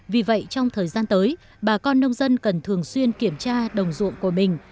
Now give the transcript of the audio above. vì vậy trong thời gian tới bà con nông dân cần thường xuyên kiểm tra đồng ruộng của mình